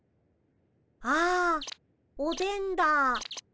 あっおでんだ。